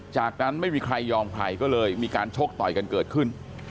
จากนั้นไม่มีใครยอมใครก็เลยมีการชกต่อยกันเกิดขึ้น